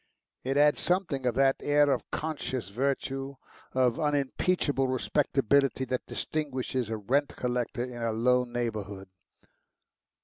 It had something of that air of conscious virtue, of unimpeachable respectability, that distinguishes a rent collector in a low neighbourhood.